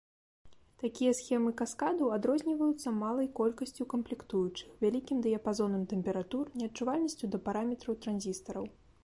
Такія схемы каскадаў адрозніваюцца малай колькасцю камплектуючых, вялікім дыяпазонам тэмператур, неадчувальнасцю да параметраў транзістараў.